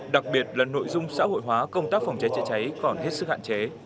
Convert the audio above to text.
đặc biệt là nội dung xã hội hóa công tác phòng cháy chữa cháy còn hết sức hạn chế